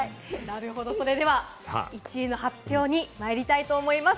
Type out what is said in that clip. １位の発表にまいりたいと思います。